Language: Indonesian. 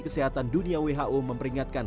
kesehatan dunia who memperingatkan